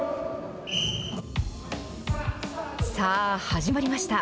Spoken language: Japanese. さあ、始まりました。